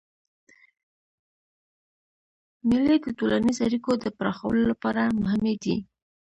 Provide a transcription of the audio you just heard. مېلې د ټولنیزو اړیکو د پراخولو له پاره مهمي دي.